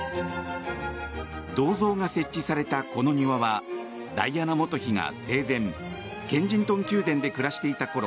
銅像が設置されたこの庭はダイアナ元妃が生前、ケンジントン宮殿で暮らしていたころ